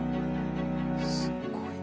すっごいな。